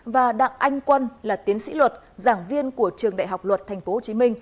và đặng anh quân là tiến sĩ luật giảng viên của trường đại học luật tp hcm